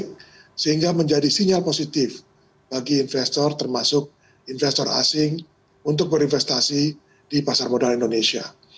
pertumbuhan yang positif tersebut menciptakan iklim infrastruktur